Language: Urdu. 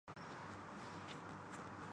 جس دوست کا گھر ہےوہ بھی ساتھ تھا ۔